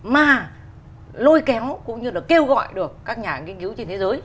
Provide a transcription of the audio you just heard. mà lôi kéo cũng như là kêu gọi được các nhà nghiên cứu trên thế giới